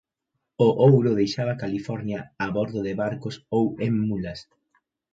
O ouro deixaba California a bordo de barcos ou en mulas.